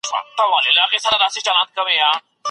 مرغۍ د اوبو د یوې قطرې په ارمان خپله سترګه بایلوده.